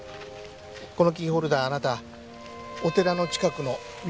このキーホルダーあなたお寺の近くの土産物店で買った。